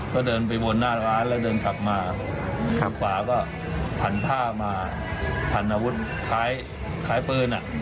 ก็เดินไปบนหน้าร้านแล้วเดินกลับมาฝาก็ผ่านผ้ามาผ่านอาวุธขายขายปืนอ่ะ